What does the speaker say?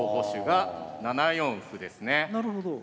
なるほど。